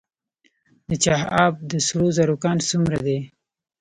د چاه اب د سرو زرو کان څومره دی؟